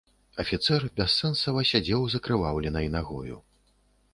Афіцэр бяссэнсава сядзеў з акрываўленай нагою.